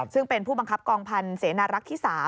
ซึ่งเป็นผู้บังคับกองพันธ์เสนารักษ์ที่๓